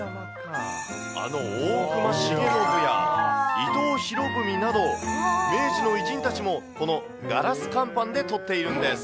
あの大隈重信や伊藤博文など、明治の偉人たちもこのガラス乾板で撮っているんです。